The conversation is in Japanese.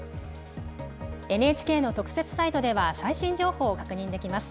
ＮＨＫの特設サイトでは最新情報を確認できます。